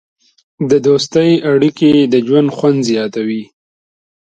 د دوستۍ اړیکې د ژوند خوند زیاتوي.